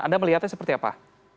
anda melihatnya seperti apa